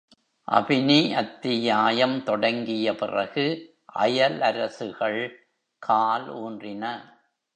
அபினி அத்தியாயம் தொடங்கிய பிறகு அயல் அரசுகள் கால் ஊன்றின.